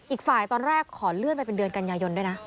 อีกฝ่ายตอนแรกขอเลื่อนไปเป็นเดือนกันยายนด้วยนะ